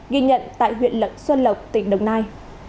ghi nhận tại huyện lận xuân lộc tỉnh đồng nai